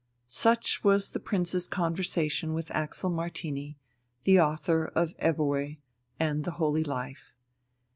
Such was the Prince's conversation with Axel Martini, the author of "Evoë!" and "The Holy Life."